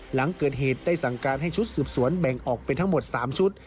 หลังเกิดเหตุได้สั่งการให้ชุดสืบสวนแบ่งออกเป็นทั้งหมด๓ชุด